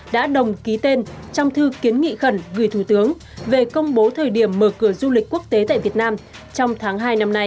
đã đồng ký tên trong thư kiến nghị khẩn gửi thủ tướng về công bố thời điểm mở cửa du lịch quốc tế tại việt nam trong tháng hai năm nay